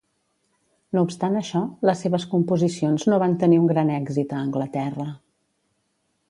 No obstant això, les seves composicions no van tenir un gran èxit a Anglaterra.